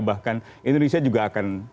bahkan indonesia juga akan